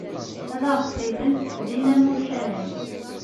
Ad ɣ-d-qqimen din am uccanen.